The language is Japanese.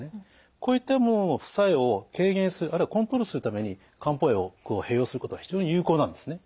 こういったものの副作用を軽減するあるいはコントロールするために漢方薬を併用することは非常に有効なんですね。